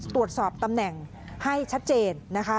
ตรวจสอบตำแหน่งให้ชัดเจนนะคะ